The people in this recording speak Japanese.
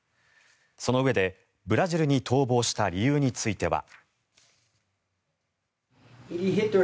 そのうえで、ブラジルに逃亡した理由については。